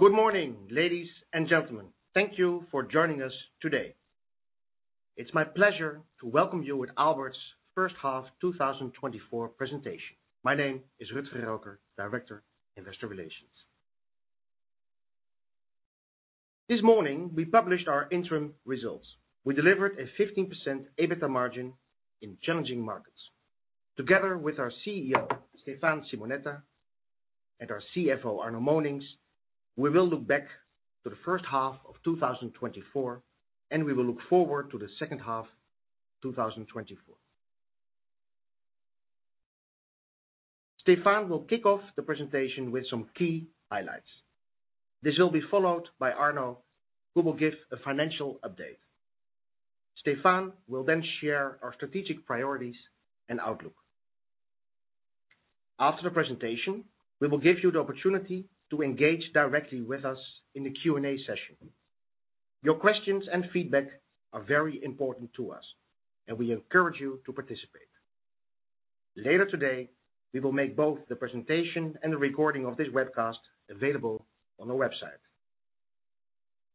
Good morning, ladies and gentlemen. Thank you for joining us today. It's my pleasure to welcome you to Aalberts' First Half 2024 presentation. My name is Rutger Relker, Director, Investor Relations. This morning, we published our interim results. We delivered a 15% EBITA margin in challenging markets. Together with our CEO, Stéphane Simonetta, and our CFO, Arno Monincx, we will look back to the first half of 2024, and we will look forward to the second half of 2024. Stéphane will kick off the presentation with some key highlights. This will be followed by Arno, who will give a financial update. Stéphane will then share our strategic priorities and outlook. After the presentation, we will give you the opportunity to engage directly with us in the Q&A session. Your questions and feedback are very important to us, and we encourage you to participate. Later today, we will make both the presentation and the recording of this webcast available on our website.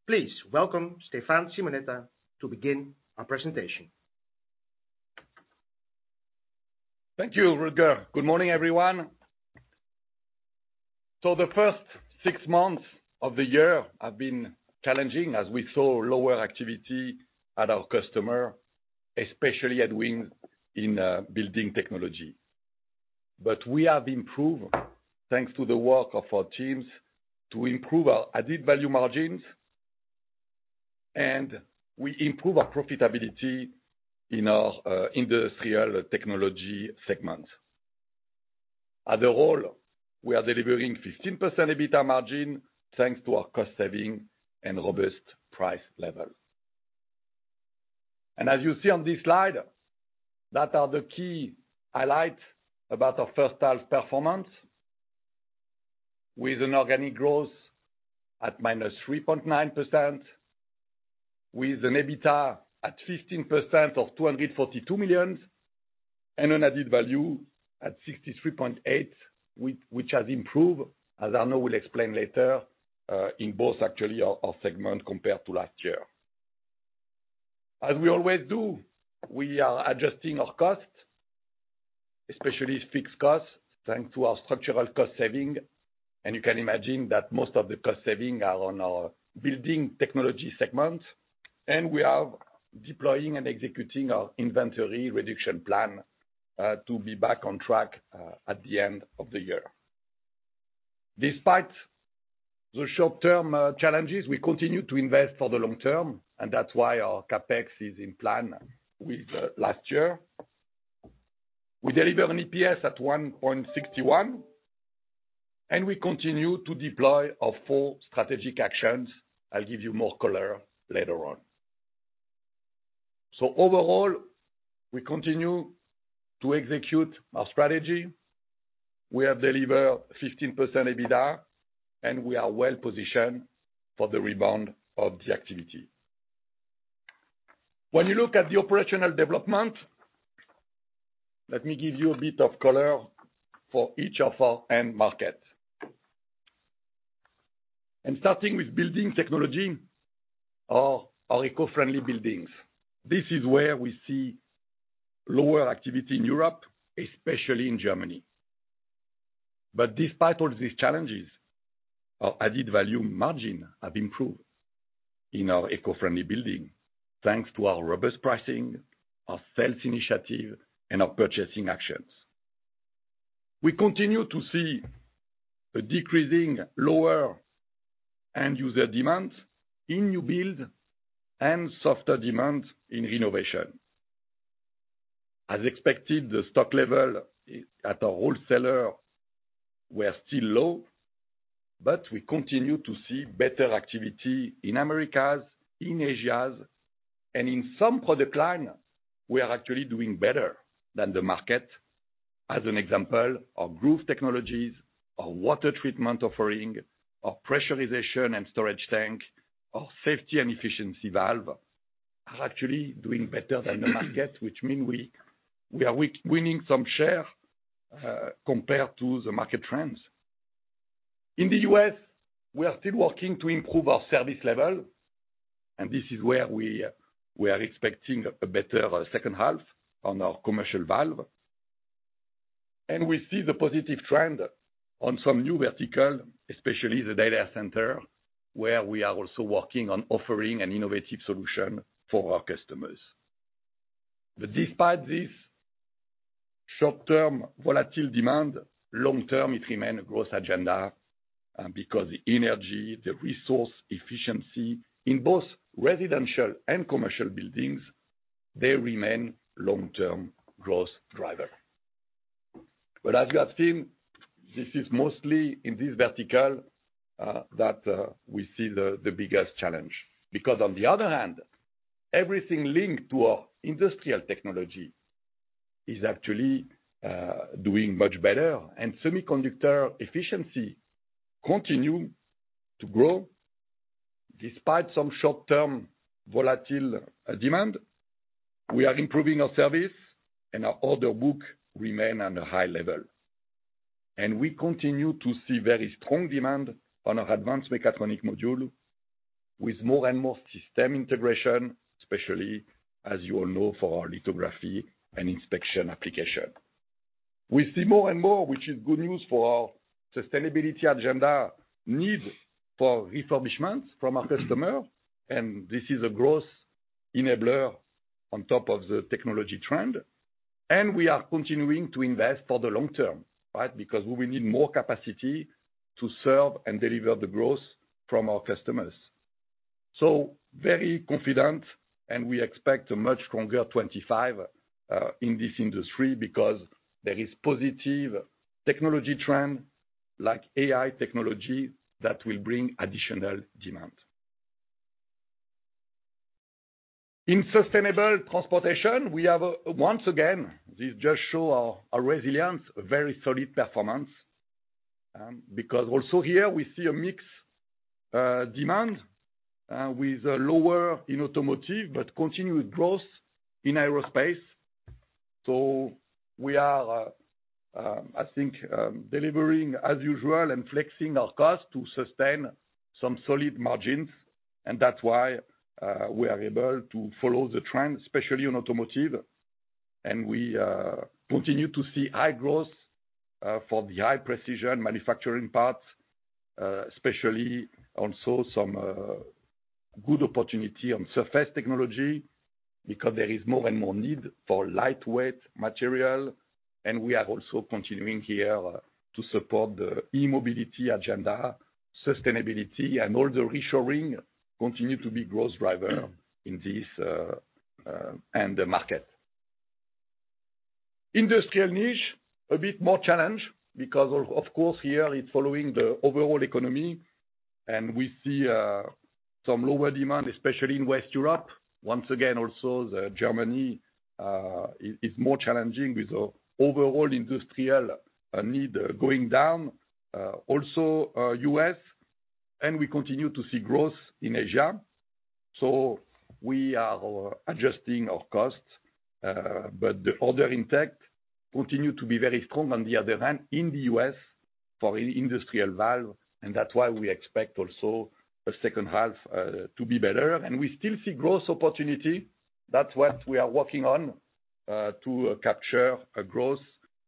Please welcome Stéphane Simonetta to begin our presentation. Thank you, Rutger. Good morning, everyone. The first six months of the year have been challenging, as we saw lower activity at our customers, especially at wholesalers, in building technology. We have improved thanks to the work of our teams to improve our added value margins, and we improved our profitability in our industrial technology segments. Overall, we are delivering a 15% EBITDA margin thanks to our cost savings and robust price level. As you see on this slide, those are the key highlights about our first half performance, with an organic growth at -3.9%, with an EBITDA at 15% of 242 million, and an added value at 63.8%, which has improved, as Arno will explain later, in both, actually, our segments compared to last year. As we always do, we are adjusting our costs, especially fixed costs, thanks to our structural cost savings. You can imagine that most of the cost savings are on our building technology segments. We are deploying and executing our inventory reduction plan to be back on track at the end of the year. Despite the short-term challenges, we continue to invest for the long term, and that's why our CapEx is in plan with last year. We deliver an EPS at 1.61, and we continue to deploy our four strategic actions. I'll give you more color later on. Overall, we continue to execute our strategy. We have delivered 15% EBITA, and we are well positioned for the rebound of the activity. When you look at the operational development, let me give you a bit of color for each of our end markets. Starting with building technology, our eco-friendly buildings, this is where we see lower activity in Europe, especially in Germany. Despite all these challenges, our added value margins have improved in our eco-friendly buildings, thanks to our robust pricing, our sales initiative, and our purchasing actions. We continue to see a decreasing lower end-user demand in new builds and softer demand in renovations. As expected, the stock level at our wholesalers were still low, but we continue to see better activity in Americas, in Asia, and in some product lines, we are actually doing better than the market. As an example, our groove technologies, our water treatment offering, our pressurization and storage tank, our safety and efficiency valves are actually doing better than the market, which means we are winning some share compared to the market trends. In the U.S., we are still working to improve our service level, and this is where we are expecting a better second half on our commercial valves. We see the positive trend on some new verticals, especially the data center, where we are also working on offering an innovative solution for our customers. Despite this short-term volatile demand, long-term, it remains a growth agenda because the energy, the resource efficiency in both residential and commercial buildings, they remain long-term growth drivers. As you have seen, this is mostly in this vertical that we see the biggest challenge. Because on the other hand, everything linked to our industrial technology is actually doing much better, and semiconductor efficiency continues to grow. Despite some short-term volatile demand, we are improving our service, and our order book remains at a high level. We continue to see very strong demand on our advanced mechatronic modules, with more and more system integration, especially, as you all know, for our lithography and inspection applications. We see more and more, which is good news for our sustainability agenda, need for refurbishments from our customers, and this is a growth enabler on top of the technology trend. We are continuing to invest for the long term, right? Because we will need more capacity to serve and deliver the growth from our customers. Very confident, and we expect a much stronger 2025 in this industry because there is a positive technology trend, like AI technology, that will bring additional demand. In Sustainable Transportation, we have once again, this just shows our resilience, a very solid performance. Because also here, we see a mixed demand with a lower in automotive, but continued growth in aerospace. We are, I think, delivering as usual and flexing our costs to sustain some solid margins. That's why we are able to follow the trend, especially in automotive. We continue to see high growth for the high-precision manufacturing parts, especially also some good opportunity on surface technology because there is more and more need for lightweight materials. We are also continuing here to support the e-mobility agenda, sustainability, and all the reshoring continues to be a growth driver in this end market. Industrial niche, a bit more challenge because, of course, here it's following the overall economy, and we see some lower demand, especially in Western Europe. Once again, also Germany is more challenging with the overall industrial need going down. Also, U.S., and we continue to see growth in Asia. So, we are adjusting our costs, but the order intake continues to be very strong on the other hand in the U.S. for industrial valves. And that's why we expect also the second half to be better. And we still see growth opportunity. That's what we are working on to capture a growth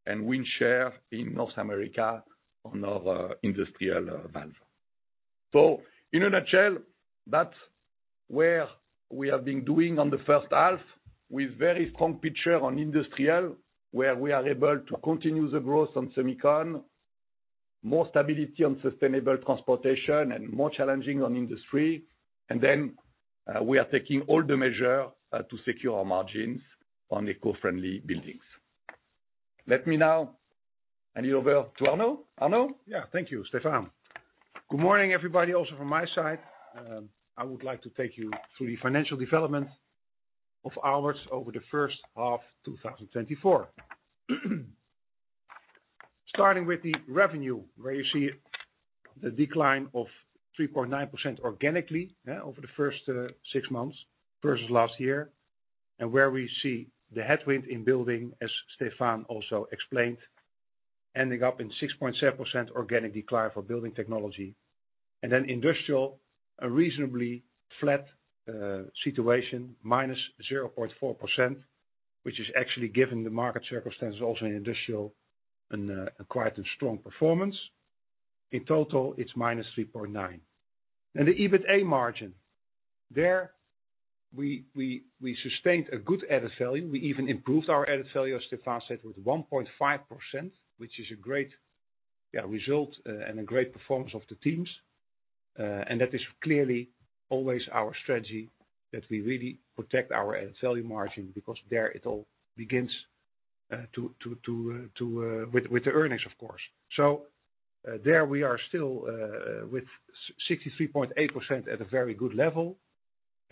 and win share in North America on our Industrial valves. So, in a nutshell, that's where we have been doing on the first half with a very strong picture on Industrial, where we are able to continue the growth on semiconductors, more stability on Sustainable Transportation, and more challenging on industry. And then we are taking all the measures to secure our margins on Eco-friendly buildings. Let me now hand it over to Arno. Arno? Yeah, thank you, Stéphane. Good morning, everybody. Also, from my side, I would like to take you through the financial developments of Aalberts over the first half of 2024. Starting with the revenue, where you see the decline of 3.9% organically over the first six months versus last year, and where we see the headwind in building, as Stéphane also explained, ending up in 6.7% organic decline for building technology. And then industrial, a reasonably flat situation, minus 0.4%, which is actually given the market circumstances, also in industrial, quite a strong performance. In total, it's minus 3.9%. And the EBITA margin, there we sustained a good added value. We even improved our added value, as Stéphane said, with 1.5%, which is a great result and a great performance of the teams. That is clearly always our strategy, that we really protect our added value margin because there it all begins with the earnings, of course. So, there we are still with 63.8% at a very good level.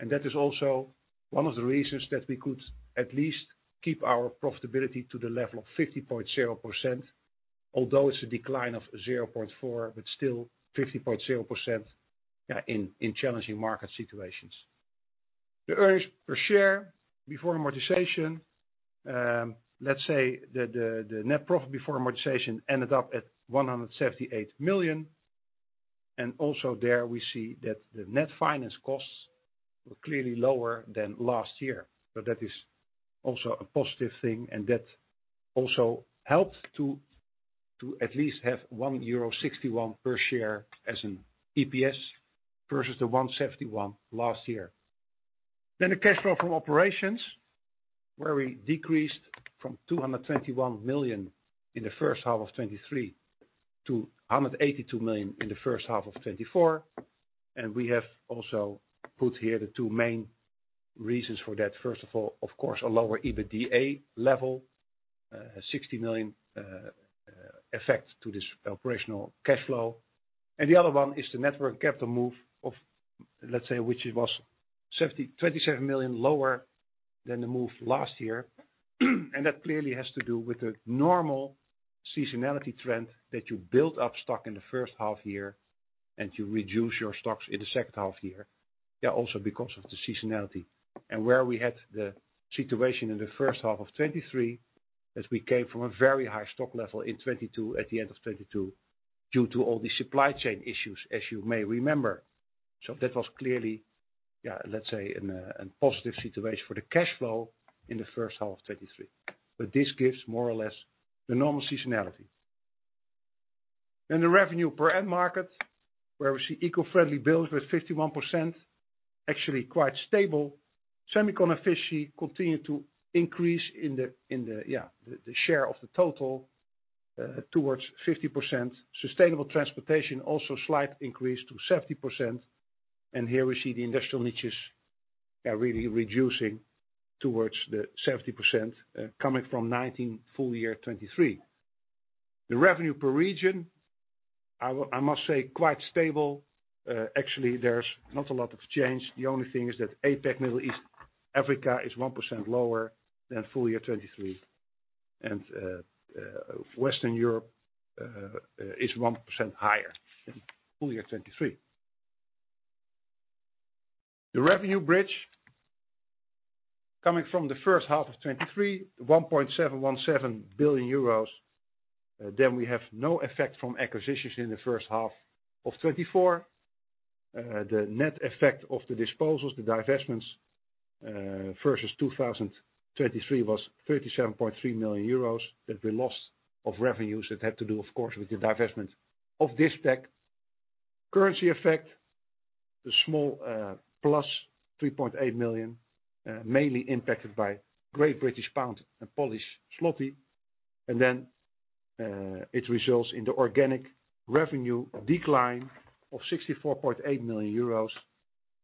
And that is also one of the reasons that we could at least keep our profitability to the level of 50.0%, although it's a decline of 0.4%, but still 50.0% in challenging market situations. The earnings per share before amortization, let's say the net profit before amortization ended up at 178 million. And also there we see that the net finance costs were clearly lower than last year. So that is also a positive thing, and that also helped to at least have 1.61 euro per share as an EPS versus the 1.71 last year. Then the cash flow from operations, where we decreased from 221 million in the first half of 2023 to 182 million in the first half of 2024. We have also put here the two main reasons for that. First of all, of course, a lower EBITDA level, a 60 million effect to this operational cash flow. The other one is the net working capital move of, let's say, which was 27 million lower than the move last year. That clearly has to do with the normal seasonality trend that you build up stock in the first half year and you reduce your stocks in the second half year, also because of the seasonality. And where we had the situation in the first half of 2023, as we came from a very high stock level in 2022 at the end of 2022 due to all the supply chain issues, as you may remember. So that was clearly, let's say, a positive situation for the cash flow in the first half of 2023. But this gives more or less the normal seasonality. Then the revenue per end market, where we see eco-friendly buildings with 51%, actually quite stable. Semiconductor efficiency continued to increase in the share of the total towards 50%. Sustainable Transportation also slight increase to 70%. And here we see the industrial niches really reducing towards the 70% coming from 2019 full year 2023. The revenue per region, I must say, quite stable. Actually, there's not a lot of change. The only thing is that APEC Middle East Africa is 1% lower than full year 2023. Western Europe is 1% higher than full year 2023. The revenue bridge coming from the first half of 2023, 1.717 billion euros. Then we have no effect from acquisitions in the first half of 2024. The net effect of the disposals, the divestments versus 2023 was 37.3 million euros that we lost of revenues. It had to do, of course, with the divestment of Disptek. Currency effect, the small plus 3.8 million, mainly impacted by Great British Pound and Polish zloty. And then it results in the organic revenue decline of 64.8 million euros.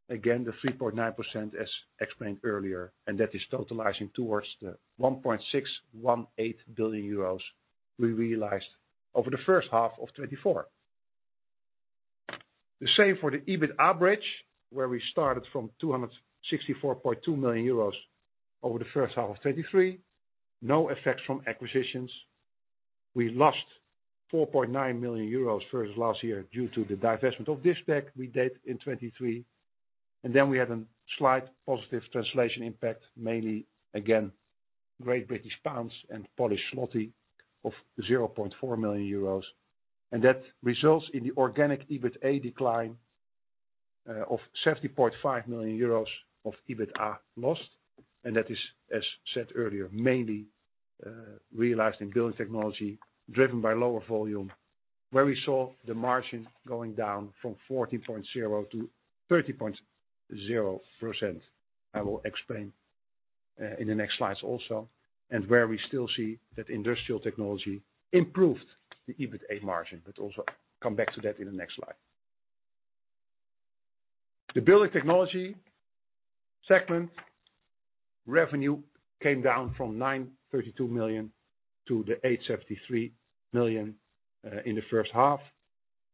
Again, the 3.9%, as explained earlier, and that is totalizing towards the 1.618 billion euros we realized over the first half of 2024. The same for the EBITA bridge, where we started from 264.2 million euros over the first half of 2023. No effects from acquisitions. We lost 4.9 million euros versus last year due to the divestment of Disptek we did in 2023. Then we had a slight positive translation impact, mainly again, Great British Pounds and Polish zloty of 0.4 million euros. That results in the organic EBITA decline of 70.5 million euros of EBITA lost. That is, as said earlier, mainly realized in building technology driven by lower volume, where we saw the margin going down from 14.0%-30.0%. I will explain in the next slides also, and where we still see that industrial technology improved the EBITA margin, but also come back to that in the next slide. The building technology segment revenue came down from 932 million-873 million in the first half,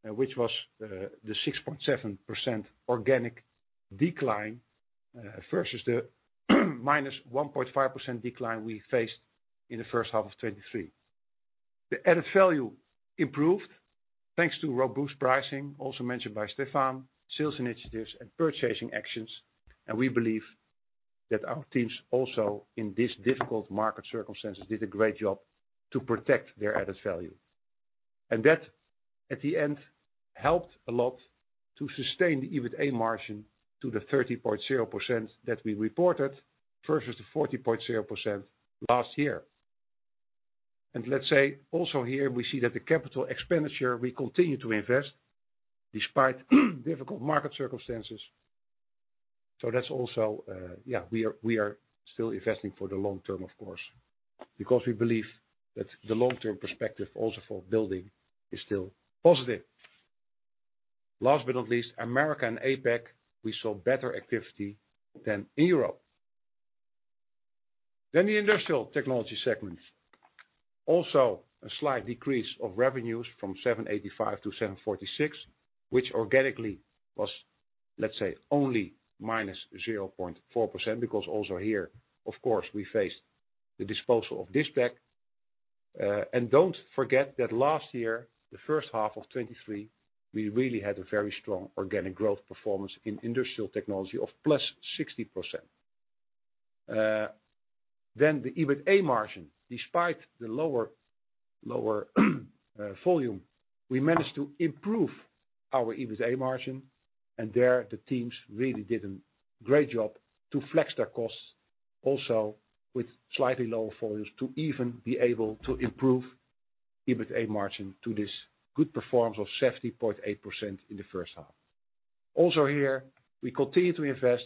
which was the 6.7% organic decline versus the -1.5% decline we faced in the first half of 2023. The added value improved thanks to robust pricing, also mentioned by Stéphane, sales initiatives, and purchasing actions. We believe that our teams also, in this difficult market circumstances, did a great job to protect their added value. That, at the end, helped a lot to sustain the EBITA margin to the 30.0% that we reported versus the 40.0% last year. Let's say also here we see that the capital expenditure, we continue to invest despite difficult market circumstances. That's also, yeah, we are still investing for the long term, of course, because we believe that the long-term perspective also for building is still positive. Last but not least, America and APEC, we saw better activity than in Europe. Then the industrial technology segment, also a slight decrease of revenues from 785-746, which organically was, let's say, only -0.4% because also here, of course, we faced the disposal of Disptek. And don't forget that last year, the first half of 2023, we really had a very strong organic growth performance in industrial technology of +60%. Then the EBITA margin, despite the lower volume, we managed to improve our EBITA margin. And there the teams really did a great job to flex their costs, also with slightly lower volumes to even be able to improve EBITA margin to this good performance of 70.8% in the first half. Also here, we continue to invest,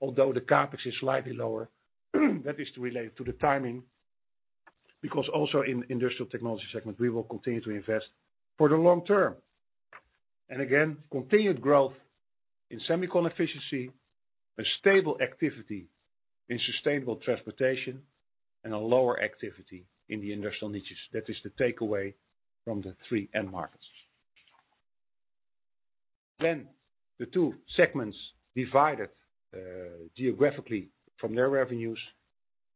although the CapEx is slightly lower. That is related to the timing because also in the industrial technology segment, we will continue to invest for the long term. And again, continued growth in semiconductor efficiency, a stable activity in Sustainable Transportation, and a lower activity in the Industrial Niches. That is the takeaway from the three end markets. Then the two segments divided geographically from their revenues.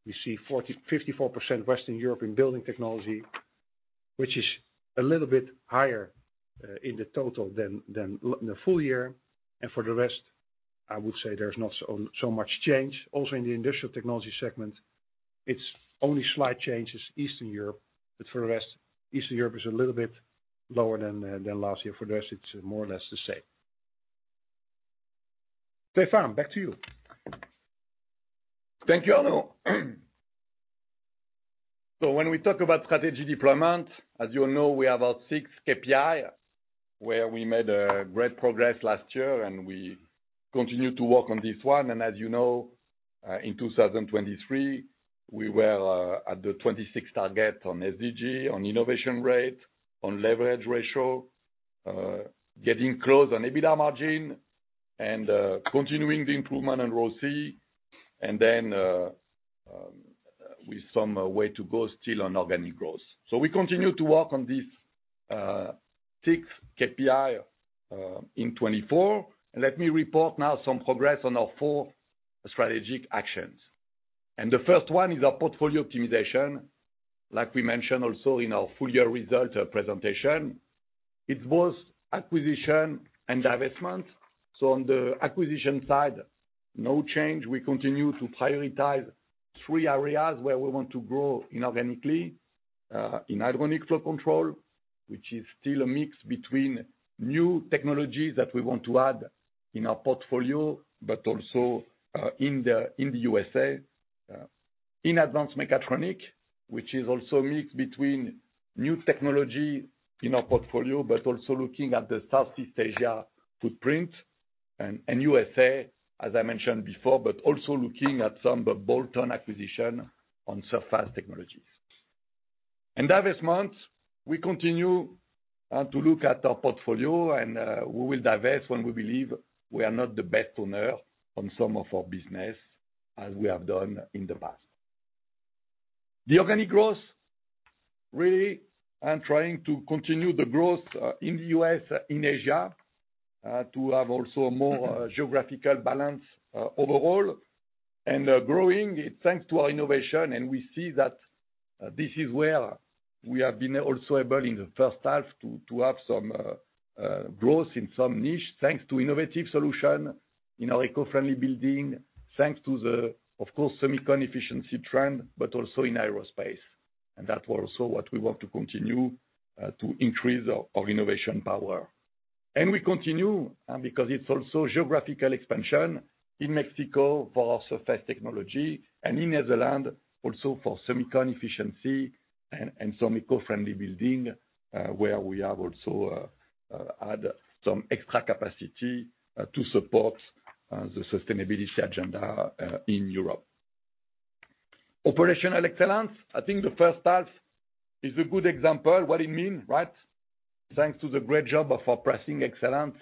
We see 54% Western Europe in building technology, which is a little bit higher in the total than the full year. And for the rest, I would say there's not so much change. Also in the industrial technology segment, it's only slight changes in Eastern Europe. But for the rest, Eastern Europe is a little bit lower than last year. For the rest, it's more or less the same. Stéphane, back to you. Thank you, Arno. So when we talk about strategy deployment, as you all know, we have our sixth KPI, where we made great progress last year, and we continue to work on this one. And as you know, in 2023, we were at the 26th target on SDG, on innovation rate, on leverage ratio, getting close on EBITA margin, and continuing the improvement on ROCE, and then with some way to go still on organic growth. So we continue to work on this sixth KPI in 2024. And let me report now some progress on our four strategic actions. And the first one is our portfolio optimization, like we mentioned also in our full year result presentation. It's both acquisition and divestment. So on the acquisition side, no change. We continue to prioritize three areas where we want to grow inorganically in hydronic flow control, which is still a mix between new technologies that we want to add in our portfolio, but also in the U.S.A., in advanced mechatronic, which is also a mix between new technology in our portfolio, but also looking at the Southeast Asia footprint and U.S.A., as I mentioned before, but also looking at some bolt-on acquisition on surface technologies. And divestment, we continue to look at our portfolio, and we will divest when we believe we are not the best owner on some of our business, as we have done in the past. The organic growth, really, I'm trying to continue the growth in the U.S., in Asia, to have also more geographical balance overall. And growing, it's thanks to our innovation, and we see that this is where we have been also able in the first half to have some growth in some niche, thanks to innovative solutions in our eco-friendly building, thanks to the, of course, semiconductor efficiency trend, but also in aerospace. And that was also what we want to continue to increase our innovation power. And we continue because it's also geographical expansion in Mexico for our surface technology, and in Netherlands also for semiconductor efficiency and some eco-friendly building, where we have also had some extra capacity to support the sustainability agenda in Europe. Operational Excellence, I think the first half is a good example. What it means, right? Thanks to the great job of our pricing excellence,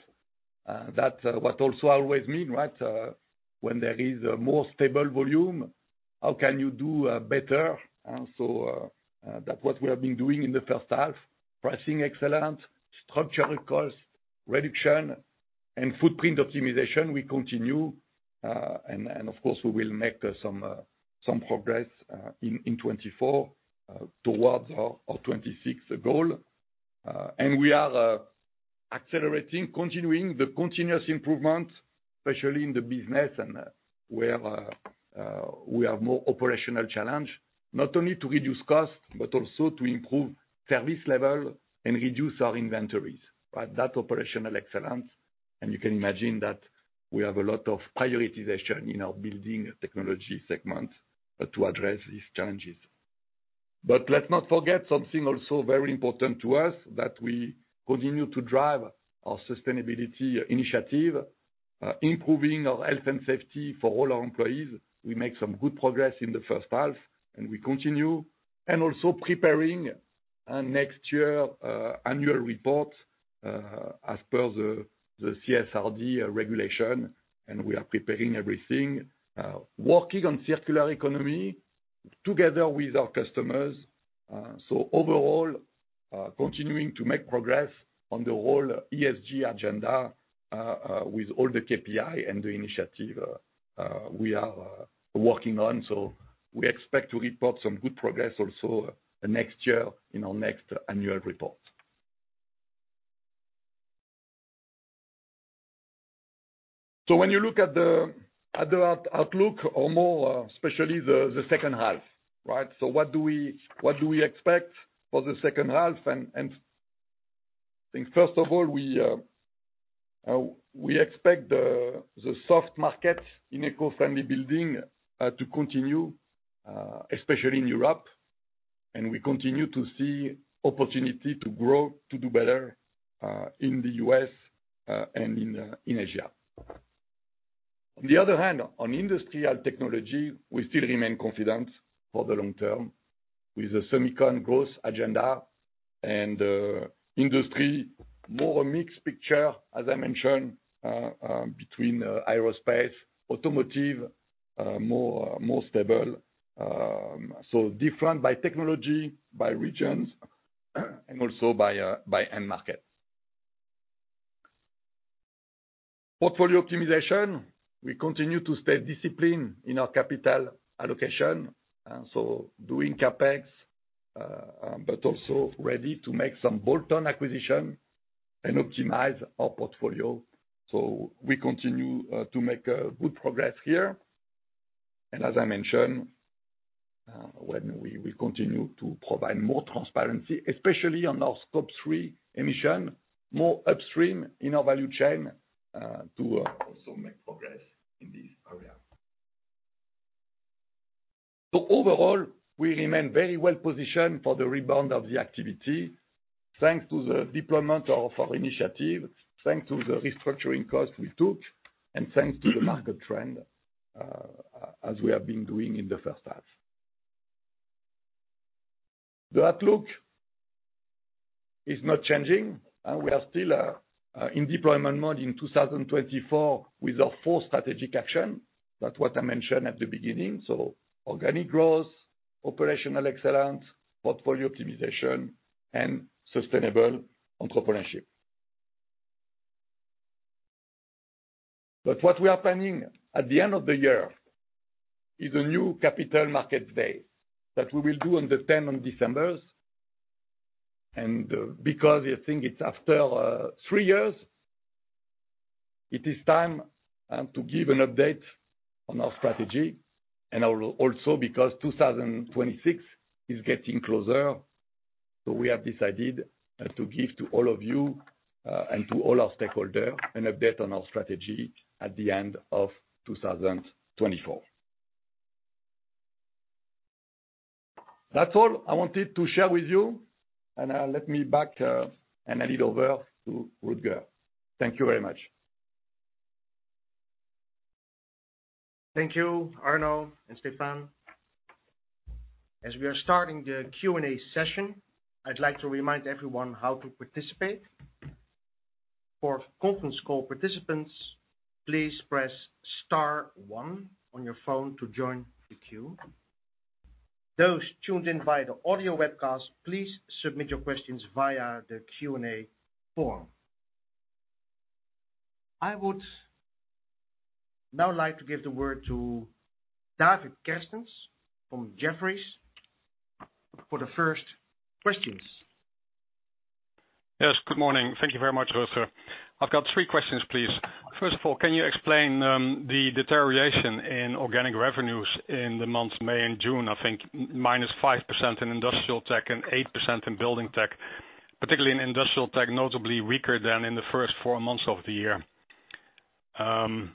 that's what also always means, right? When there is more stable volume, how can you do better? So that's what we have been doing in the first half, pricing excellence, structural cost reduction, and footprint optimization. We continue, and of course, we will make some progress in 2024 towards our 2026 goal. We are accelerating, continuing the continuous improvement, especially in the business and where we have more operational challenge, not only to reduce costs, but also to improve service level and reduce our inventories. That's Operational Excellence. You can imagine that we have a lot of prioritization in our building technology segment to address these challenges. But let's not forget something also very important to us, that we continue to drive our sustainability initiative, improving our health and safety for all our employees. We make some good progress in the first half, and we continue. And also preparing next year's annual report as per the CSRD regulation. We are preparing everything, working on circular economy together with our customers. So overall, continuing to make progress on the whole ESG agenda with all the KPI and the initiative we are working on. So we expect to report some good progress also next year in our next annual report. So when you look at the outlook or more specifically the second half, right? So what do we expect for the second half? And I think first of all, we expect the soft market in eco-friendly building to continue, especially in Europe. And we continue to see opportunity to grow, to do better in the U.S. and in Asia. On the other hand, on industrial technology, we still remain confident for the long term with the semiconductor growth agenda and industry, more a mixed picture, as I mentioned, between aerospace, automotive, more stable. So different by technology, by regions, and also by end markets. Portfolio optimization, we continue to stay disciplined in our capital allocation. So doing CapEx, but also ready to make some bolt-on acquisition and optimize our portfolio. So we continue to make good progress here. And as I mentioned, we will continue to provide more transparency, especially on our scope three emission, more upstream in our value chain to also make progress in this area. So overall, we remain very well positioned for the rebound of the activity, thanks to the deployment of our initiative, thanks to the restructuring cost we took, and thanks to the market trend, as we have been doing in the first half. The outlook is not changing. We are still in deployment mode in 2024 with our four strategic actions. That's what I mentioned at the beginning. So organic growth, operational excellence, portfolio optimization, and sustainable entrepreneurship. But what we are planning at the end of the year is a new Capital Markets Day that we will do on the 10th of December. And because I think it's after three years, it is time to give an update on our strategy. And also because 2026 is getting closer, we have decided to give to all of you and to all our stakeholders an update on our strategy at the end of 2024. That's all I wanted to share with you. And let me step back and hand it over to Rutger. Thank you very much. Thank you, Arno and Stéphane. As we are starting the Q&A session, I'd like to remind everyone how to participate. For conference call participants, please press star one on your phone to join the queue. Those tuned in via the audio webcast, please submit your questions via the Q&A form. I would now like to give the word to David Kerstens from Jefferies for the first questions. Yes, good morning. Thank you very much, Rutger. I've got three questions, please. First of all, can you explain the deterioration in organic revenues in the months May and June? I think -5% in industrial tech and 8% in building tech, particularly in industrial tech, notably weaker than in the first four months of the year. And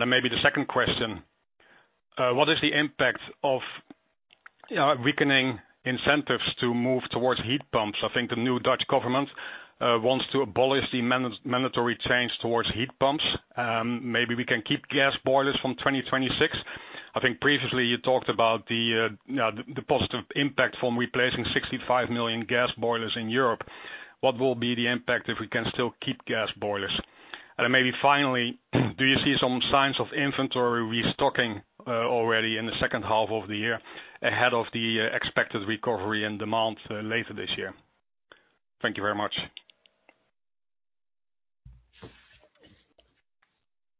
then maybe the second question, what is the impact of weakening incentives to move towards heat pumps? I think the new Dutch government wants to abolish the mandatory change towards heat pumps. Maybe we can keep gas boilers from 2026. I think previously you talked about the positive impact from replacing 65 million gas boilers in Europe. What will be the impact if we can still keep gas boilers? And then maybe finally, do you see some signs of inventory restocking already in the second half of the year ahead of the expected recovery in demand later this year? Thank you very much.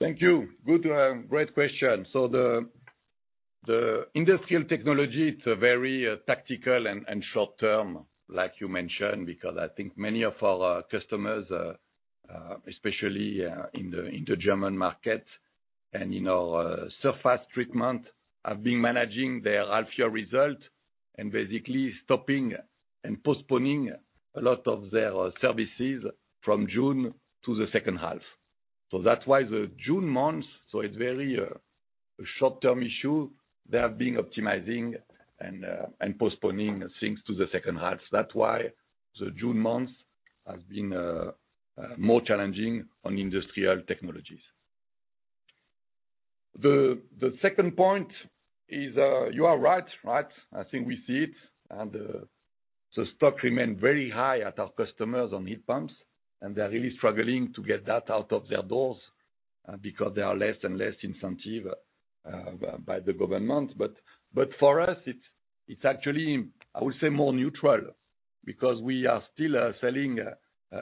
Thank you. Good, great question. So the industrial technology, it's very tactical and short-term, like you mentioned, because I think many of our customers, especially in the German market and in our surface technology, have been managing their half-year result and basically stopping and postponing a lot of their services from June to the second half. So that's why the June months, so it's very a short-term issue. They have been optimizing and postponing things to the second half. That's why the June months have been more challenging on industrial technologies. The second point is you are right, right? I think we see it. The stock remains very high at our customers on heat pumps, and they're really struggling to get that out of their doors because there are less and less incentives by the government. But for us, it's actually, I would say, more neutral because we are still selling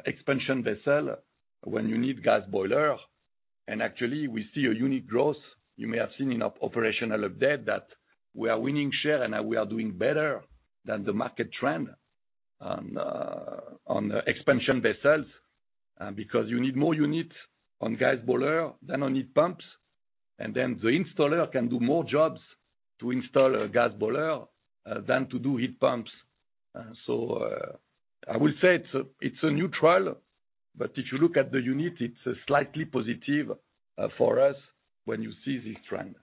expansion vessels when you need gas boilers. And actually, we see a unique growth. You may have seen in our operational update that we are winning share and we are doing better than the market trend on expansion vessels because you need more units on gas boilers than on heat pumps. And then the installer can do more jobs to install a gas boiler than to do heat pumps. So I will say it's neutral, but if you look at the units, it's slightly positive for us when you see this trend.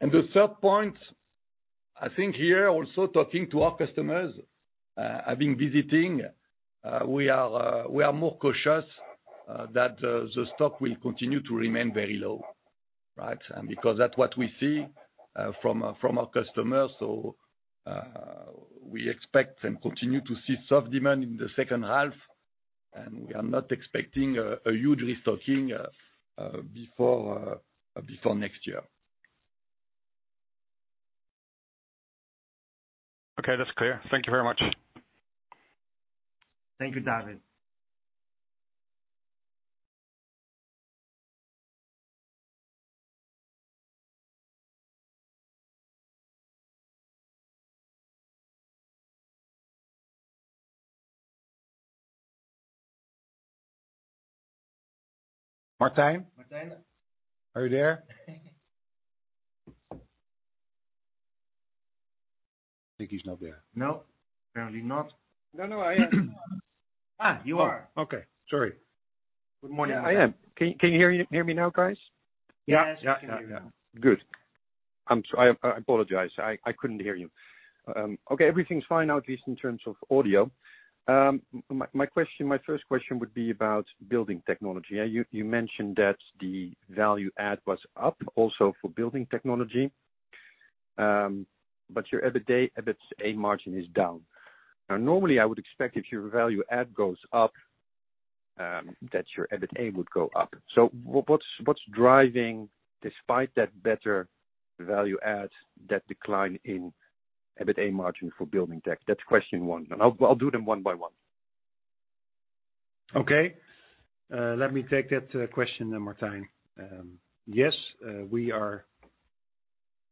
And the third point, I think here also talking to our customers, having visiting, we are more cautious that the stock will continue to remain very low, right? And because that's what we see from our customers. We expect and continue to see soft demand in the second half, and we are not expecting a huge restocking before next year. Okay, that's clear. Thank you very much. Thank you, David. Martijn? Martijn? Are you there? I think he's not there. No, apparently not. No, no, I am. you are. Okay, sorry. Good morning. I am. Can you hear me now, guys? Yes, we can hear you now. Good. I apologize. I couldn't hear you. Okay, everything's fine now, at least in terms of audio. My first question would be about building technology. You mentioned that the value add was up also for building technology, but your EBITA margin is down. Now, normally, I would expect if your value add goes up, that your EBITA would go up. So what's driving, despite that better value add, that decline in EBITA margin for building tech? That's question one. I'll do them one by one. Okay. Let me take that question, Martijn. Yes, we are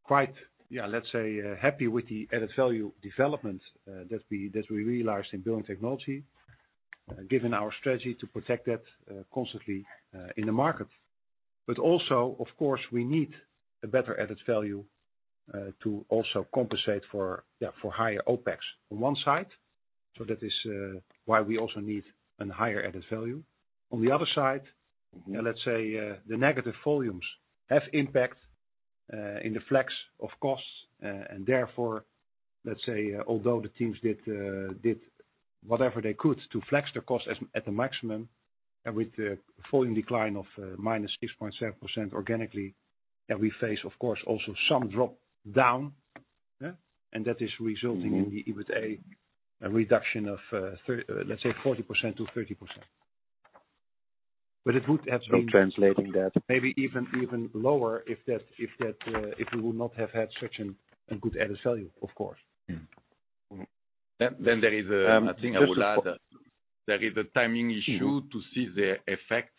quite, yeah, let's say, happy with the added value development that we realized in building technology, given our strategy to protect that constantly in the market. But also, of course, we need a better added value to also compensate for higher OpEx on one side. So that is why we also need a higher added value. On the other side, let's say the negative volumes have impact in the flex of costs. And therefore, let's say, although the teams did whatever they could to flex their costs at the maximum, with the volume decline of -6.7% organically, we face, of course, also some drop down. And that is resulting in the EBITA reduction of, let's say, 40%-30%. But it would have been. So translating that. Maybe even lower if we would not have had such a good added value, of course. Then, I think I would add, there is a timing issue to see the effect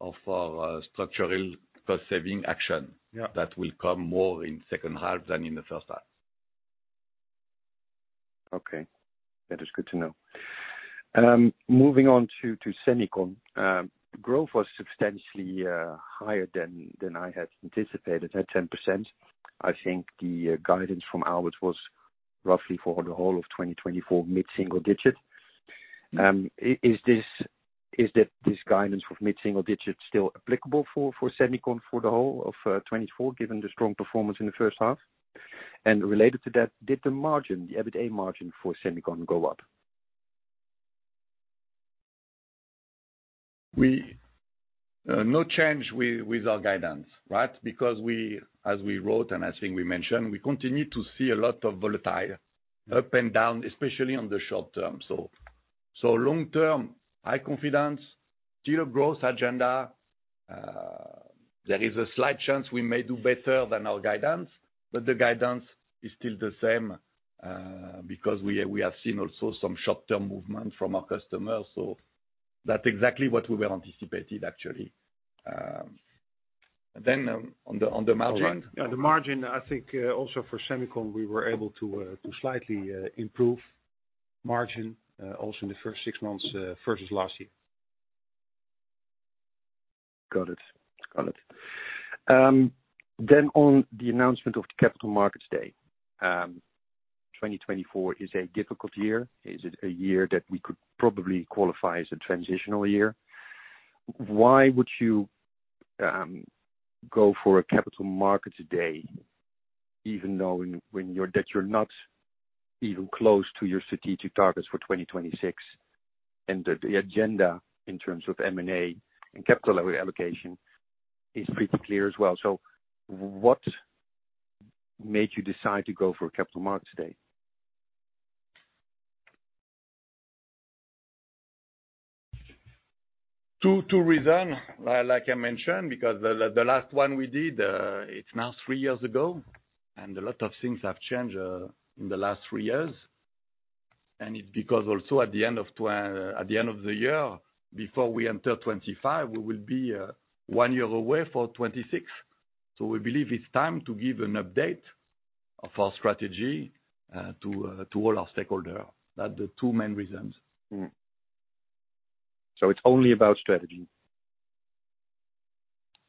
of our structural cost-saving action that will come more in the second half than in the first half. Okay. That is good to know. Moving on to Semicon, growth was substantially higher than I had anticipated at 10%. I think the guidance from Aalberts was roughly for the whole of 2024, mid-single digit. Is this guidance of mid-single digit still applicable for Semicon for the whole of 2024, given the strong performance in the first half? And related to that, did the margin, the EBITA margin for Semicon go up? No change with our guidance, right? Because as we wrote and I think we mentioned, we continue to see a lot of volatile up and down, especially on the short term. So long-term, high confidence, still a growth agenda. There is a slight chance we may do better than our guidance, but the guidance is still the same because we have seen also some short-term movement from our customers. So that's exactly what we were anticipating, actually. And then on the margin. On the margin, I think also for Semicon, we were able to slightly improve margin also in the first six months versus last year. Got it. Got it. Then on the announcement of the Capital Markets Day, 2024 is a difficult year. Is it a year that we could probably qualify as a transitional year? Why would you go for a Capital Markets Day, even though that you're not even close to your strategic targets for 2026? And the agenda in terms of M&A and capital allocation is pretty clear as well. So what made you decide to go for a Capital Markets Day? Two reasons, like I mentioned, because the last one we did, it's now three years ago, and a lot of things have changed in the last three years. And it's because also at the end of the year, before we enter 2025, we will be one year away for 2026. So we believe it's time to give an update of our strategy to all our stakeholders. That's the two main reasons. It's only about strategy.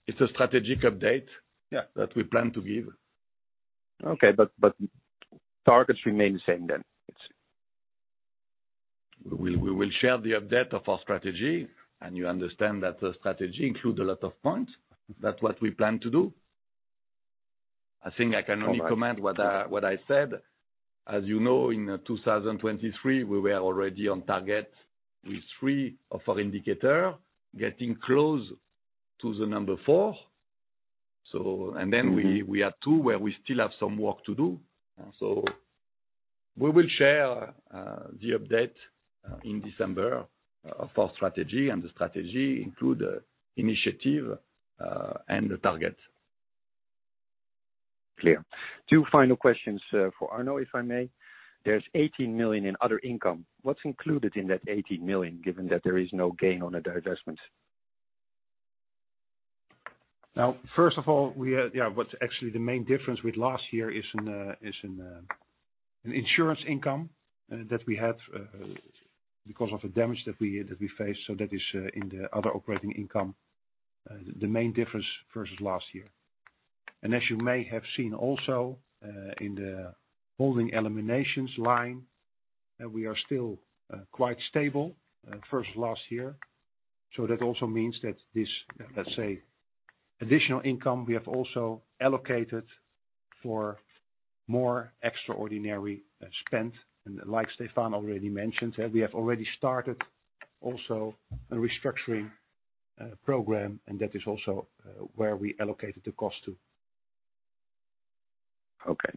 It's a strategic update that we plan to give. Okay, but targets remain the same then. We will share the update of our strategy, and you understand that the strategy includes a lot of points. That's what we plan to do. I think I can only comment on what I said. As you know, in 2023, we were already on target with three of our indicators, getting close to the number four. Then we had two where we still have some work to do. We will share the update in December of our strategy, and the strategy includes initiatives and the targets. Clear. Two final questions for Arno, if I may. There's 18 million in other income. What's included in that 18 million, given that there is no gain on the divestments? Now, first of all, what's actually the main difference with last year is an insurance income that we had because of the damage that we faced. So that is in the other operating income, the main difference versus last year. And as you may have seen also in the holding eliminations line, we are still quite stable versus last year. So that also means that this, let's say, additional income we have also allocated for more extraordinary spend. And like Stéphane already mentioned, we have already started also a restructuring program, and that is also where we allocated the cost to. Okay.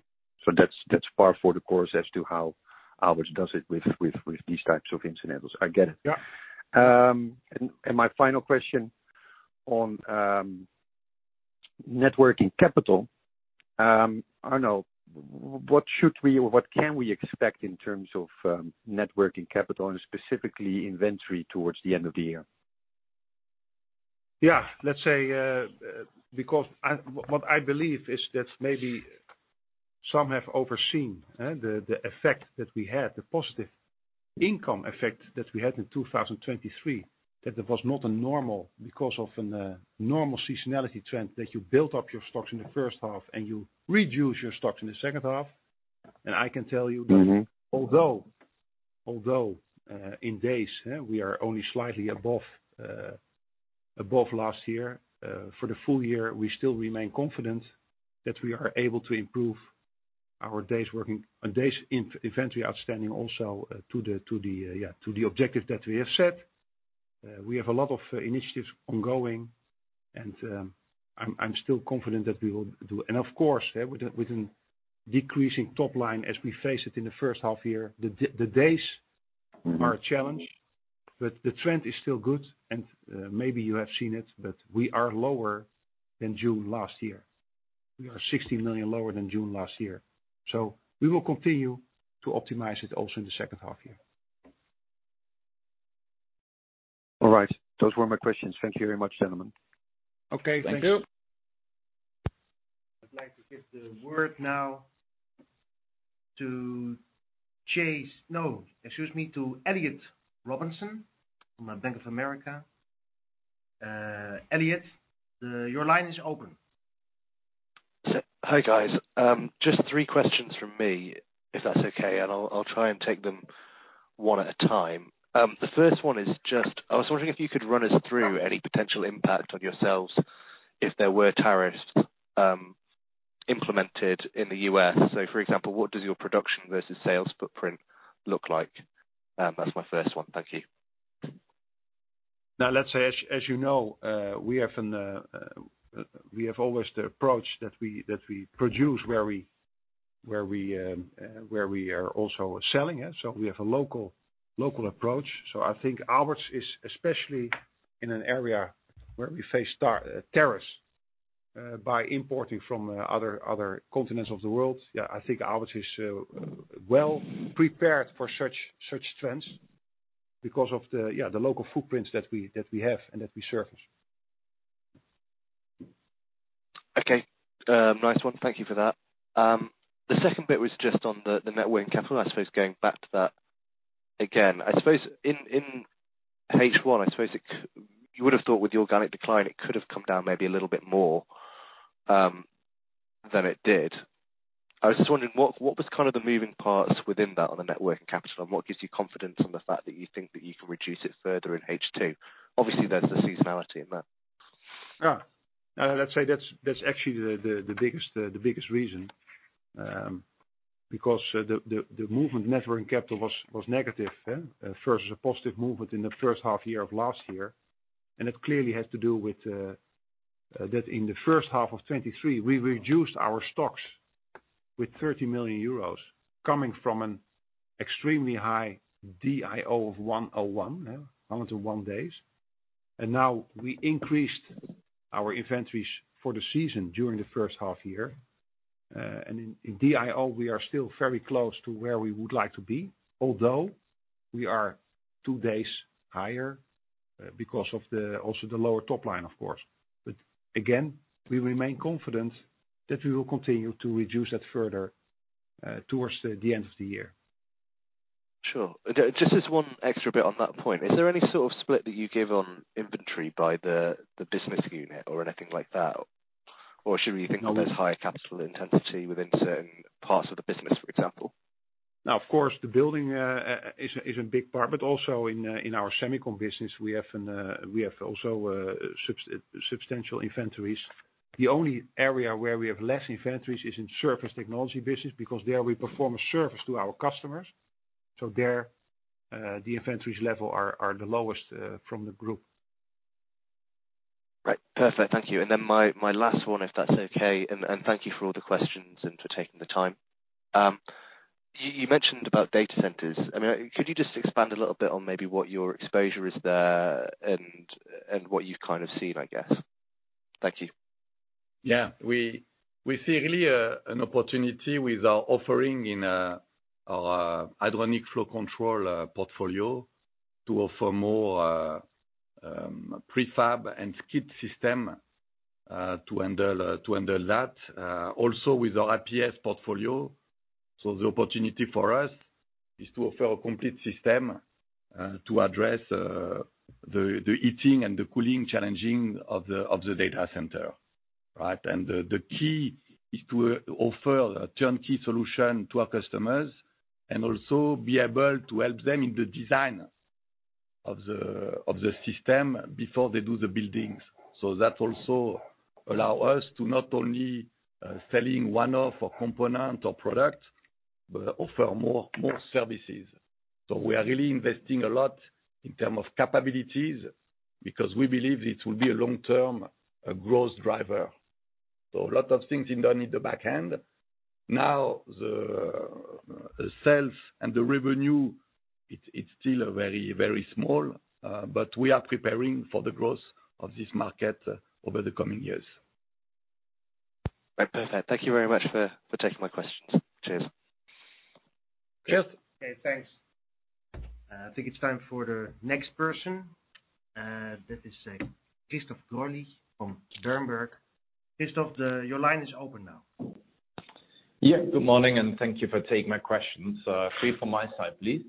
So that's par for the course as to how Aalberts does it with these types of incidentals. I get it. And my final question on net working capital. Arno, what should we or what can we expect in terms of net working capital and specifically inventory towards the end of the year? Yeah, let's say, because what I believe is that maybe some have overseen the effect that we had, the positive income effect that we had in 2023, that there was not a normal because of a normal seasonality trend that you build up your stocks in the first half and you reduce your stocks in the second half. And I can tell you that although in days, we are only slightly above last year, for the full year, we still remain confident that we are able to improve our days working and days inventory outstanding also to the objectives that we have set. We have a lot of initiatives ongoing, and I'm still confident that we will do. And of course, with a decreasing top line as we face it in the first half year, the days are a challenge, but the trend is still good. Maybe you have seen it, but we are lower than June last year. We are 60 million lower than June last year. We will continue to optimize it also in the second half year. All right. Those were my questions. Thank you very much, gentlemen. Okay, thank you. I'd like to give the word now to Chase. No, excuse me, to Elliott Robinson from Bank of America. Elliott, your line is open. Hi, guys. Just three questions from me, if that's okay, and I'll try and take them one at a time. The first one is just I was wondering if you could run us through any potential impact on yourselves if there were tariffs implemented in the U.S. So, for example, what does your production versus sales footprint look like? That's my first one. Thank you. Now, let's say, as you know, we have always the approach that we produce where we are also selling. So we have a local approach. So I think Aalberts is especially in an area where we face tariffs by importing from other continents of the world. Yeah, I think Aalberts is well prepared for such trends because of the local footprints that we have and that we service. Okay. Nice one. Thank you for that. The second bit was just on the net working capital. I suppose going back to that again, I suppose in H1, I suppose you would have thought with the organic decline, it could have come down maybe a little bit more than it did. I was just wondering, what was kind of the moving parts within that on the net working capital? And what gives you confidence on the fact that you think that you can reduce it further in H2? Obviously, there's the seasonality in that. Yeah. Let's say that's actually the biggest reason because the movement in net working capital was negative versus a positive movement in the first half year of last year. And it clearly has to do with that in the first half of 2023, we reduced our stocks with 30 million euros coming from an extremely high DIO of 101 days. And now we increased our inventories for the season during the first half year. And in DIO, we are still very close to where we would like to be, although we are two days higher because of also the lower top line, of course. But again, we remain confident that we will continue to reduce that further towards the end of the year. Sure. Just as one extra bit on that point, is there any sort of split that you gave on inventory by the business unit or anything like that? Or should we think of it as higher capital intensity within certain parts of the business, for example? Now, of course, the building is a big part, but also in our semicon business, we have also substantial inventories. The only area where we have less inventories is in Surface Technology business because there we perform a service to our customers. So there, the inventories level are the lowest from the group. Right. Perfect. Thank you. And then my last one, if that's okay. And thank you for all the questions and for taking the time. You mentioned about data centers. I mean, could you just expand a little bit on maybe what your exposure is there and what you've kind of seen, I guess? Thank you. Yeah. We see really an opportunity with our offering in our hydronic flow control portfolio to offer more prefab and kit system to handle that. Also with our IPS portfolio. So the opportunity for us is to offer a complete system to address the heating and the cooling challenges of the data center, right? And the key is to offer a turnkey solution to our customers and also be able to help them in the design of the system before they do the buildings. So that also allows us to not only selling one-off or component or product, but offer more services. So we are really investing a lot in terms of capabilities because we believe it will be a long-term growth driver. So a lot of things are done in the backend. Now, the sales and the revenue, it's still very, very small, but we are preparing for the growth of this market over the coming years. Perfect. Thank you very much for taking my questions. Cheers. Cheers. Okay, thanks. I think it's time for the next person. That is Christoph Greulich from Berenberg. Christoph, your line is open now. Yeah, good morning, and thank you for taking my questions. Three from my side, please.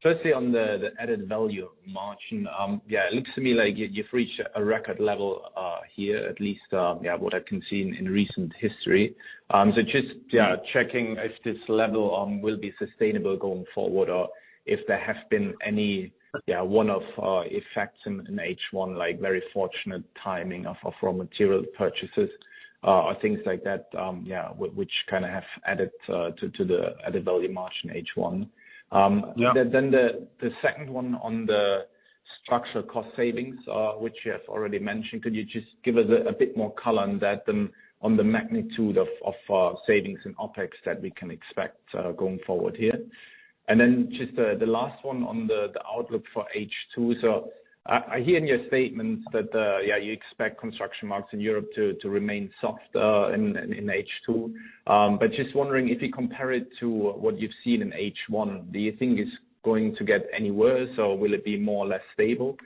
Firstly, on the added value margin, yeah, it looks to me like you've reached a record level here, at least what I can see in recent history. So just checking if this level will be sustainable going forward or if there have been any one-off effects in H1, like very fortunate timing of raw material purchases or things like that, yeah, which kind of have added to the added value margin in H1. Then the second one on the structural cost savings, which you have already mentioned. Could you just give us a bit more color on that and on the magnitude of savings in OPEX that we can expect going forward here? And then just the last one on the outlook for H2. So I hear in your statements that you expect construction markets in Europe to remain soft in H2. But just wondering if you compare it to what you've seen in H1, do you think it's going to get any worse or will it be more or less stable?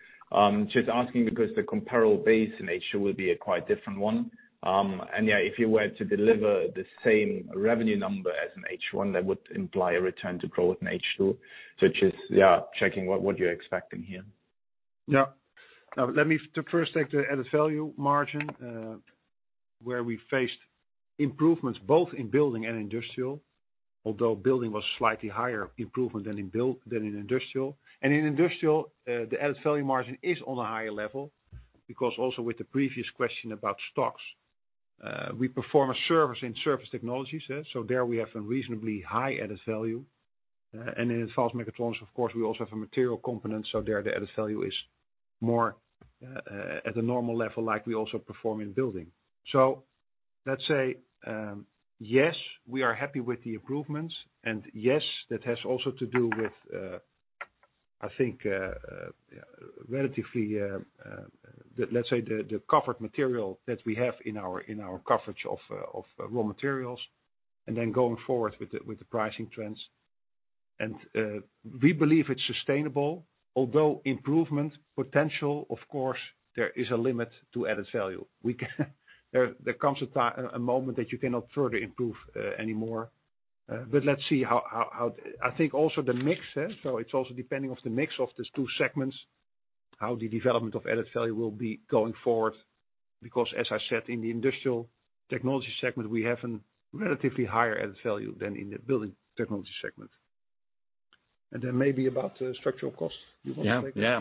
Just asking because the comparable base in H2 will be a quite different one. And yeah, if you were to deliver the same revenue number as in H1, that would imply a return to growth in H2, which is, yeah, checking what you're expecting here. Yeah. Let me first take the added value margin where we faced improvements both in building and industrial, although building was slightly higher improvement than in industrial. And in industrial, the added value margin is on a higher level because also with the previous question about stocks, we perform a service in service technologies. So there we have a reasonably high added value. And in advanced mechatronics, of course, we also have a material component. So there the added value is more at a normal level like we also perform in building. So let's say, yes, we are happy with the improvements. And yes, that has also to do with, I think, relatively, let's say, the covered material that we have in our coverage of raw materials and then going forward with the pricing trends. We believe it's sustainable, although improvement potential, of course, there is a limit to added value. There comes a moment that you cannot further improve anymore. But let's see how I think also the mix, so it's also depending on the mix of these two segments, how the development of added value will be going forward. Because, as I said, in the industrial technology segment, we have a relatively higher added value than in the building technology segment. And then maybe about the structural cost, you want to take that? Yeah,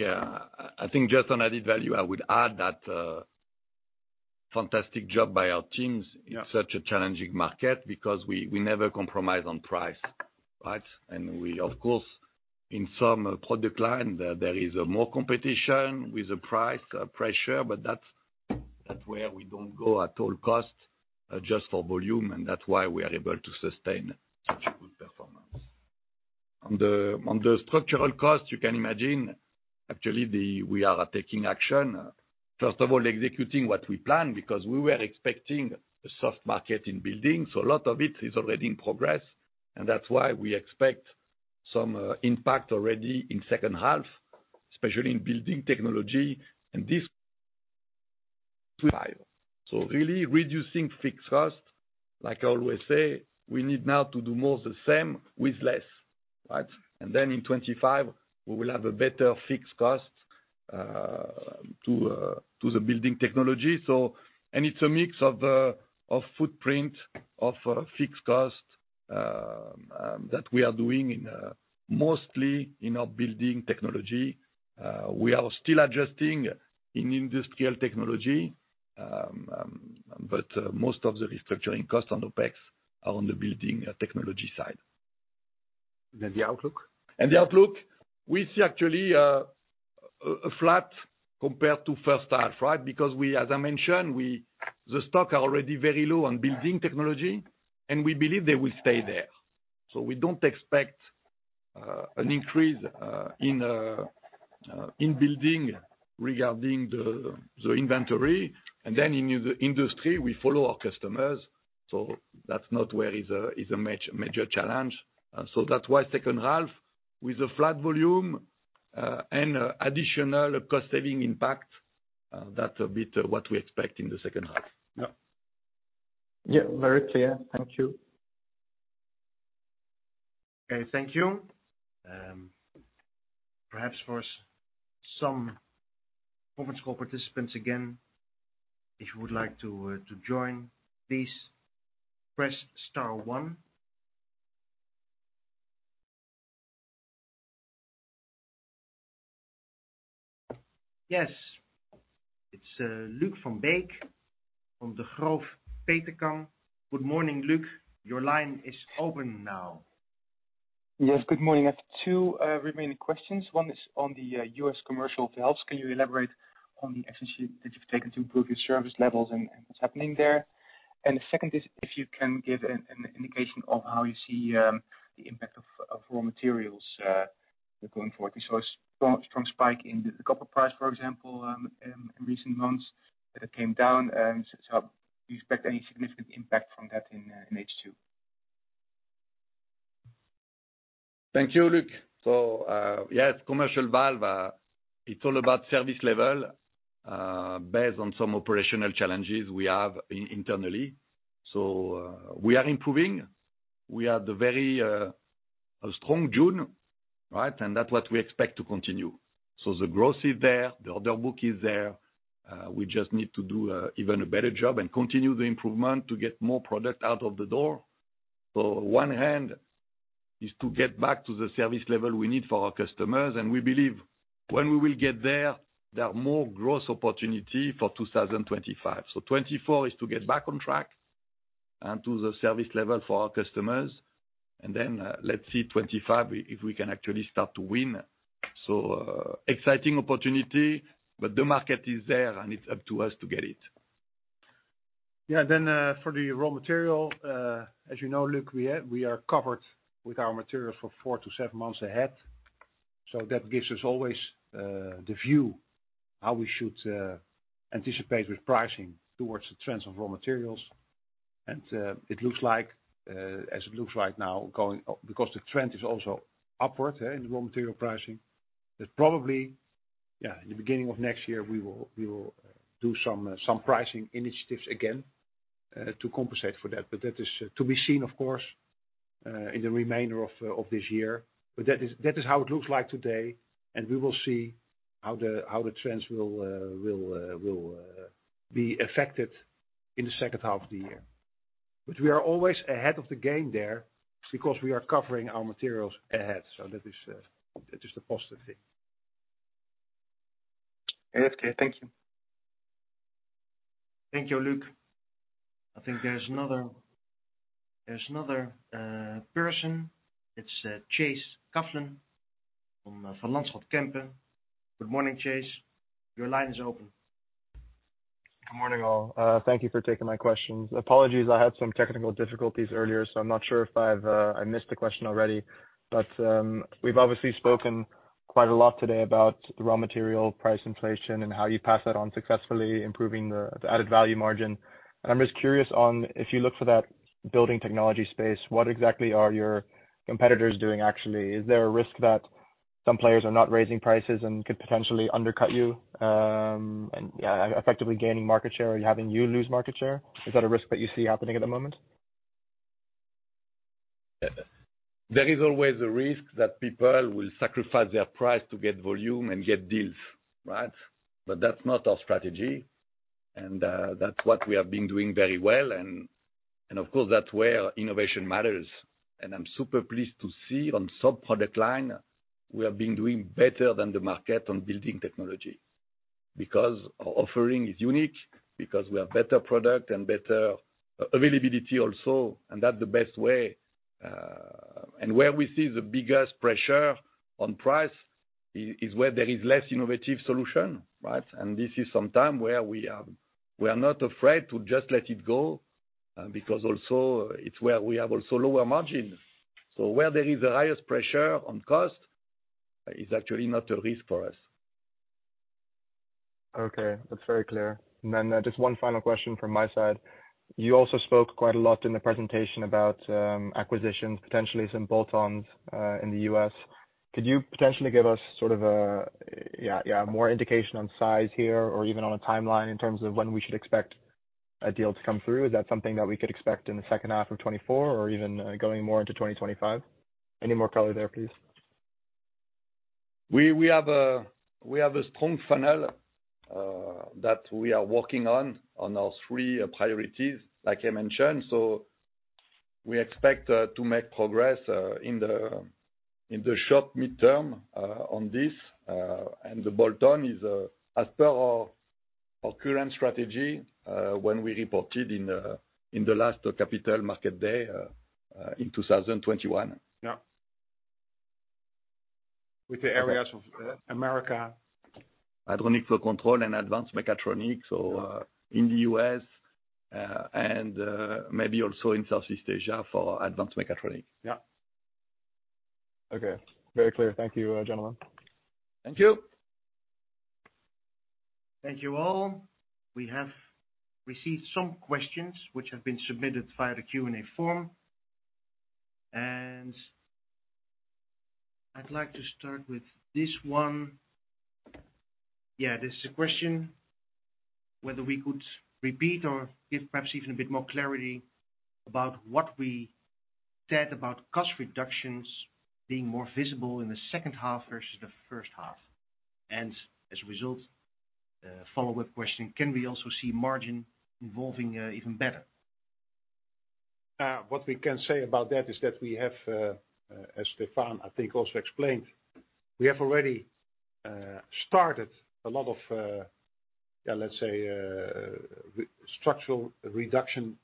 yeah. I think just on added value, I would add that fantastic job by our teams in such a challenging market because we never compromise on price, right? And we, of course, in some product line, there is more competition with the price pressure, but that's where we don't go at all cost just for volume. And that's why we are able to sustain such a good performance. On the structural cost, you can imagine, actually, we are taking action. First of all, executing what we planned because we were expecting a soft market in buildings. So a lot of it is already in progress. And that's why we expect some impact already in second half, especially in building technology. And this 2025. So really reducing fixed costs, like I always say, we need now to do more of the same with less, right? Then in 2025, we will have a better fixed cost to the building technology. It's a mix of footprint of fixed cost that we are doing mostly in our building technology. We are still adjusting in industrial technology, but most of the restructuring costs on OpEx are on the building technology side. And then the outlook? And the outlook, we see actually a flat compared to first half, right? Because we, as I mentioned, the stocks are already very low on building technology, and we believe they will stay there. So we don't expect an increase in building regarding the inventory. And then in the industry, we follow our customers. So that's not where is a major challenge. So that's why second half with a flat volume and additional cost-saving impact, that's a bit what we expect in the second half. Yeah. Yeah, very clear. Thank you. Okay, thank you. Perhaps for some participants again, if you would like to join, please press star one. Yes. It's Luuk van Beek from Degroof Petercam. Good morning, Luuk. Your line is open now. Yes, good morning. I have two remaining questions. One is on the U.S. commercial sales. Can you elaborate on the efficiency that you've taken to improve your service levels and what's happening there? And the second is if you can give an indication of how you see the impact of raw materials going forward. You saw a strong spike in the copper price, for example, in recent months that came down. So do you expect any significant impact from that in H2? Thank you, Luuk. So yeah, commercial valve, it's all about service level based on some operational challenges we have internally. So we are improving. We have a very strong June, right? And that's what we expect to continue. So the growth is there. The order book is there. We just need to do even a better job and continue the improvement to get more product out of the door. So one hand is to get back to the service level we need for our customers. And we believe when we will get there, there are more growth opportunities for 2025. So 2024 is to get back on track and to the service level for our customers. And then let's see 2025 if we can actually start to win. So exciting opportunity, but the market is there and it's up to us to get it. Yeah, then for the raw material, as you know, Luc, we are covered with our materials for 4-7 months ahead. So that gives us always the view how we should anticipate with pricing towards the trends of raw materials. And it looks like, as it looks right now, because the trend is also upward in the raw material pricing, that probably, yeah, in the beginning of next year, we will do some pricing initiatives again to compensate for that. But that is to be seen, of course, in the remainder of this year. But that is how it looks like today. And we will see how the trends will be affected in the second half of the year. But we are always ahead of the game there because we are covering our materials ahead. So that is the positive thing. Okay, thank you. Thank you, Luuk. I think there's another person. It's Chase Coughlan from Lanschot Kempen. Good morning, Chase. Your line is open. Good morning, all. Thank you for taking my questions. Apologies, I had some technical difficulties earlier, so I'm not sure if I missed the question already. We've obviously spoken quite a lot today about the raw material price inflation and how you pass that on successfully, improving the added value margin. I'm just curious on if you look for that building technology space, what exactly are your competitors doing actually? Is there a risk that some players are not raising prices and could potentially undercut you and effectively gaining market share or having you lose market share? Is that a risk that you see happening at the moment? There is always a risk that people will sacrifice their price to get volume and get deals, right? But that's not our strategy. That's what we have been doing very well. Of course, that's where innovation matters. I'm super pleased to see on some product line, we have been doing better than the market on building technology because our offering is unique, because we have better product and better availability also. That's the best way. Where we see the biggest pressure on price is where there is less innovative solution, right? This is sometimes where we are not afraid to just let it go because also it's where we have also lower margins. Where there is a higher pressure on cost is actually not a risk for us. Okay, that's very clear. And then just one final question from my side. You also spoke quite a lot in the presentation about acquisitions, potentially some bolt-ons in the U.S. Could you potentially give us sort of a more indication on size here or even on a timeline in terms of when we should expect a deal to come through? Is that something that we could expect in the second half of 2024 or even going more into 2025? Any more color there, please? We have a strong funnel that we are working on, on our three priorities, like I mentioned. So we expect to make progress in the short midterm on this. And the bolt-on is, as per our current strategy, when we reported in the last Capital Markets Day in 2021. Yeah. With the areas of Americas? Hydronic Flow Control and Advanced Mechatronics, so in the U.S. and maybe also in Southeast Asia for Advanced Mechatronics. Yeah. Okay. Very clear. Thank you, gentlemen. Thank you. Thank you all. We have received some questions which have been submitted via the Q&A form. I'd like to start with this one. Yeah, this is a question whether we could repeat or give perhaps even a bit more clarity about what we said about cost reductions being more visible in the second half versus the first half. As a result, follow-up question, can we also see margin evolving even better? What we can say about that is that we have, as Stéphane, I think, also explained, we have already started a lot of, yeah, let's say, structural reduction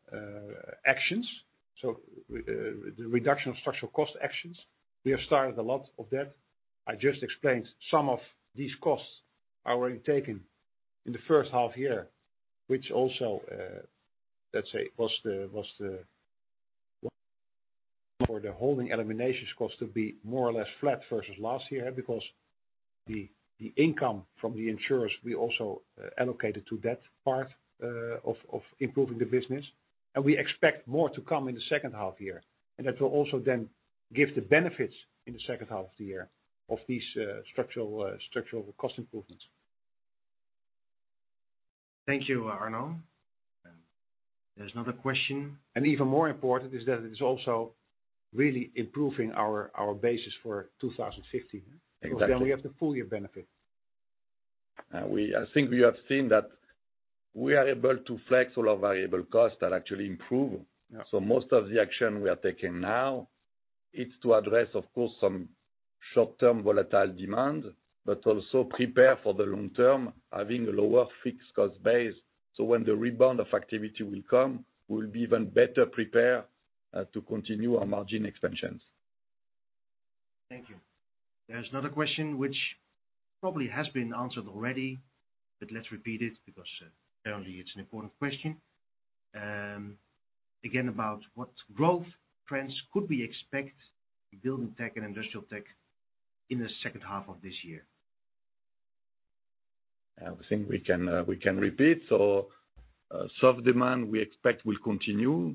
actions. So the reduction of structural cost actions, we have started a lot of that. I just explained some of these costs are already taken in the first half year, which also, let's say, was the holding eliminations cost to be more or less flat versus last year because the income from the insurers we also allocated to that part of improving the business. And we expect more to come in the second half year. And that will also then give the benefits in the second half of the year of these structural cost improvements. Thank you, Arno. There's another question. Even more important is that it is also really improving our basis for 2015. We have the full year benefit. I think you have seen that we are able to flex all our variable costs that actually improve. Most of the action we are taking now, it's to address, of course, some short-term volatile demand, but also prepare for the long-term having a lower fixed cost base. When the rebound of activity will come, we will be even better prepared to continue our margin expansions. Thank you. There's another question which probably has been answered already, but let's repeat it because apparently it's an important question. Again, about what growth trends could we expect in building tech and industrial tech in the second half of this year? I think we can repeat. So soft demand we expect will continue.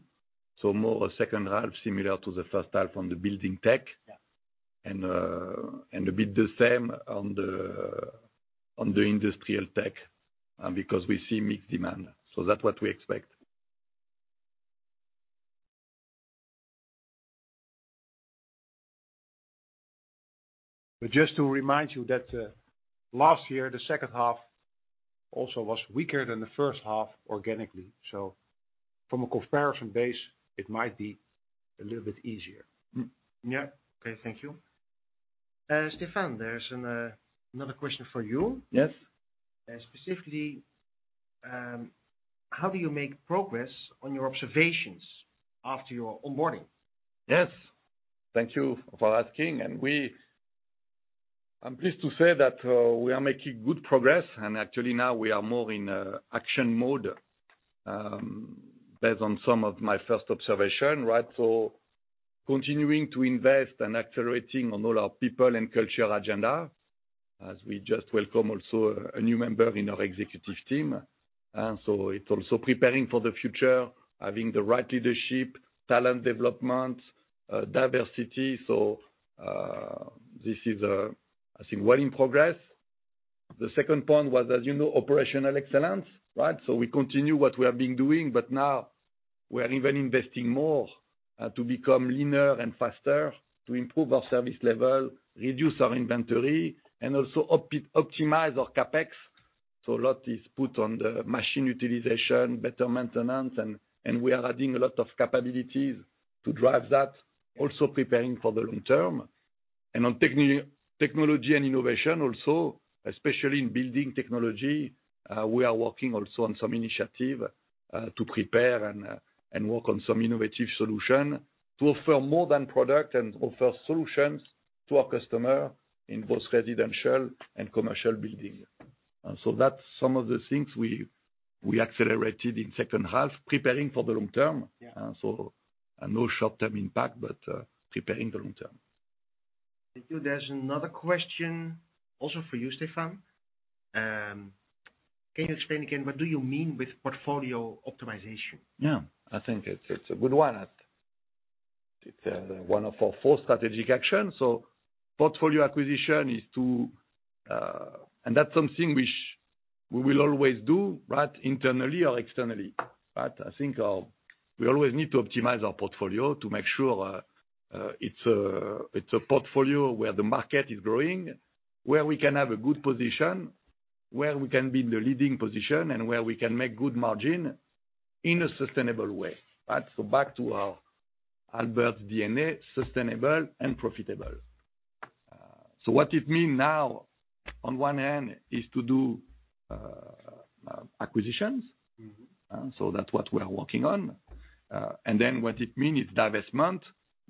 So more second half similar to the first half on the building tech. And a bit the same on the industrial tech because we see mixed demand. So that's what we expect. But just to remind you that last year, the second half also was weaker than the first half organically. So from a comparison base, it might be a little bit easier. Yeah. Okay, thank you. Stéphane, there's another question for you. Yes. Specifically, how do you make progress on your observations after your onboarding? Yes. Thank you for asking. I'm pleased to say that we are making good progress. Actually now we are more in action mode based on some of my first observation, right? So continuing to invest and accelerating on all our people and culture agenda as we just welcome also a new member in our executive team. So it's also preparing for the future, having the right leadership, talent development, diversity. So this is, I think, well in progress. The second point was, as you know, Operational excellence, right? So we continue what we have been doing, but now we are even investing more to become leaner and faster to improve our service level, reduce our inventory, and also optimize our CapEx. So a lot is put on the machine utilization, better maintenance, and we are adding a lot of capabilities to drive that, also preparing for the long term. And on technology and innovation also, especially in building technology, we are working also on some initiative to prepare and work on some innovative solution to offer more than product and offer solutions to our customer in both residential and commercial building. So that's some of the things we accelerated in second half, preparing for the long term. So no short-term impact, but preparing the long term. Thank you. There's another question also for you, Stéphane. Can you explain again what do you mean with portfolio optimization? Yeah, I think it's a good one. It's one of our four strategic actions. So portfolio acquisition is to, and that's something which we will always do, right, internally or externally. But I think we always need to optimize our portfolio to make sure it's a portfolio where the market is growing, where we can have a good position, where we can be in the leading position, and where we can make good margin in a sustainable way. So back to Aalberts' DNA, sustainable and profitable. So what it means now on one hand is to do acquisitions. So that's what we are working on. And then what it means is divestment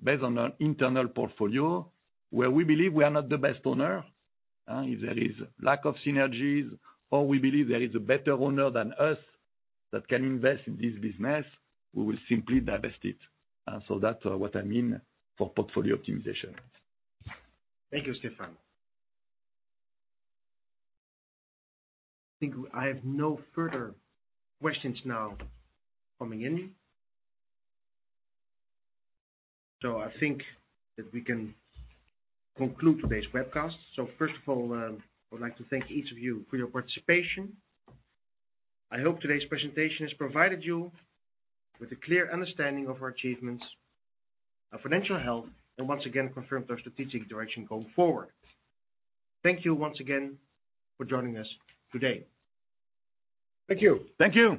based on our internal portfolio where we believe we are not the best owner. If there is lack of synergies or we believe there is a better owner than us that can invest in this business, we will simply divest it. That's what I mean for portfolio optimization. Thank you, Stéphane. I think I have no further questions now coming in. So I think that we can conclude today's webcast. So first of all, I would like to thank each of you for your participation. I hope today's presentation has provided you with a clear understanding of our achievements, our financial health, and once again confirmed our strategic direction going forward. Thank you once again for joining us today. Thank you. Thank you.